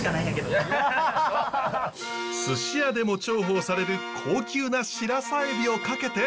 すし屋でも重宝される高級なシラサエビを賭けて。